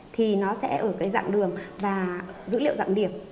thì nó sẽ ở cái dạng đường và dữ liệu dạng điểm